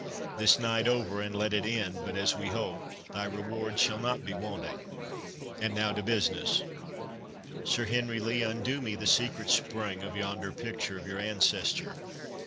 —This night over, and let it end but as we hope, thy reward shall not be wanting.—And now to business.—Sir Henry Lee, undo me the secret spring of yonder picture of your ancestor.